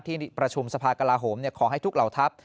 ที่ประชุมสภากลาโหมขอให้ทุกเหล่าทัพ